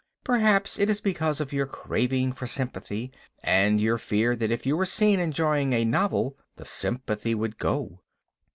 Perhaps, it is because of your craving for sympathy, and you fear that if you were seen enjoying a novel the sympathy would go.